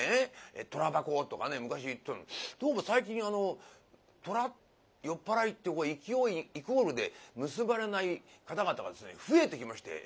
「虎箱」とかね昔言ってたのにどうも最近あの虎酔っ払いってイコールで結ばれない方々がですね増えてきまして。